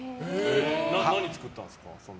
何作ったんですか？